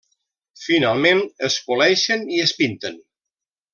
Finalment es poleixen i es pinten.